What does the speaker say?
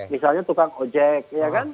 misalnya tukang ojek